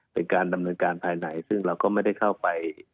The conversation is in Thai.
เป็นการดำเนินการภายในซึ่งเราก็ไม่ได้เข้าไป